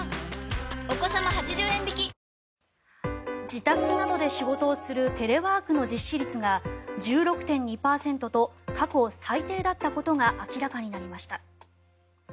自宅などで仕事をするテレワークの実施率が１６．２％と過去最低だったことが明らかになりました。